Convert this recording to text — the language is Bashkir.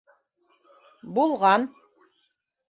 Булған.